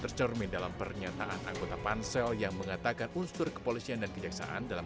tercermin dalam pernyataan anggota pansel yang mengatakan unsur kepolisian dan kejaksaan dalam